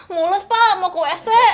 mulus pak mau ke sw